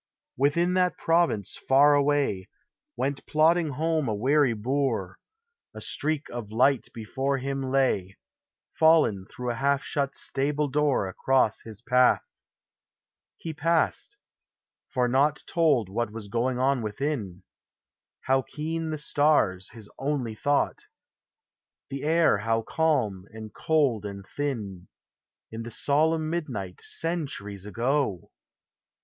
Within that province far away Went plodding home a weary boor ; A streak of light before him lay, Fallen through a half shut stable door Across his path. He passed — for naught Told what was going ou within ; How keen the stars, his only thought ; The air how calm and cold and thin. In the solemn midnight, Centuries ago!